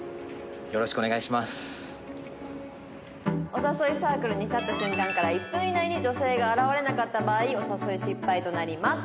お誘いサークルに立った瞬間から１分以内に女性が現れなかった場合お誘い失敗となります。